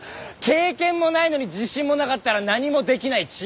経験もないのに自信もなかったら何もできない。